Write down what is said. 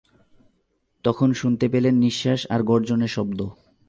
তখন শুনতে পেলেন নিঃশ্বাস আর গর্জনের শব্দ।